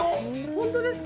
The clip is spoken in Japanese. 本当ですか？